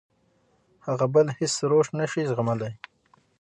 هغه بل هېڅ روش نه شي زغملی.